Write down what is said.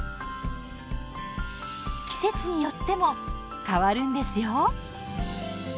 季節によっても変わるんですよ。